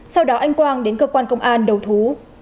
sau đó anh quang đến cơ quan công an đầu thú